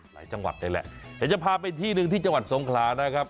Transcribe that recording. จังหวัดเลยแหละเดี๋ยวจะพาไปที่หนึ่งที่จังหวัดสงขลานะครับ